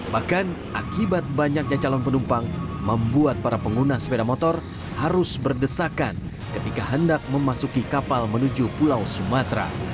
bahkan akibat banyaknya calon penumpang membuat para pengguna sepeda motor harus berdesakan ketika hendak memasuki kapal menuju pulau sumatera